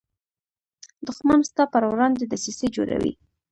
دښمن ستا پر وړاندې دسیسې جوړوي